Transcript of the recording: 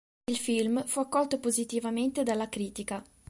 Il film fu accolto positivamente dalla critica.